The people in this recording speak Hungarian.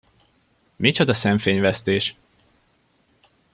Micsoda szemfényvesztés!